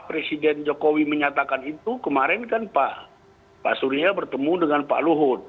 presiden jokowi menyatakan itu kemarin kan pak surya bertemu dengan pak luhut